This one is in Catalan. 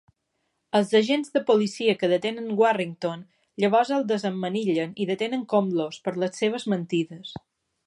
Els agents de policia que detenen Warrington llavors el desemmanillen i detenen Komlos per les seves mentides.